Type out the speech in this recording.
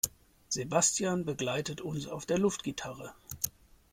Sebastian begleitet uns auf der Luftgitarre.